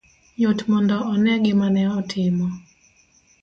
Yot mondo one gima ne otimo